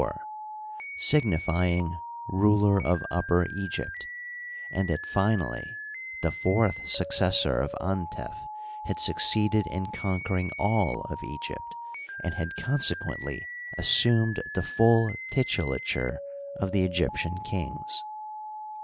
r— signifying ruler of Upper Egypt ; and that, finally, the fourth successor of Antef had succeeded in conquer ing all of Egypt, and had consequently assumed the full titulature of the Egyptian kings.